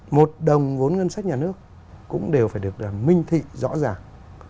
một đồng vốn ngân sách nhà nước cũng đều phải được là minh thị rõ ràng